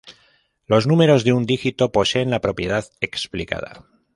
Los números de un dígito poseen la propiedad explicada.